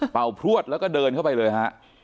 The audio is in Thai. พลวดแล้วก็เดินเข้าไปเลยฮะ